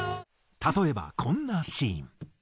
例えばこんなシーン。